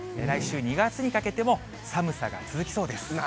来週、２月にかけても、寒さが続きそうです。